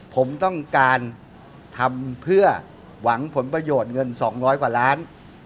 ผมต้องการทำเพื่อหวังผลประโยชน์เงิน๒๐๐กว่าล้าน